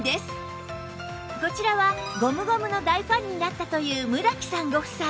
こちらはゴムゴムの大ファンになったという村木さんご夫妻